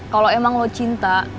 kalau emang lo cinta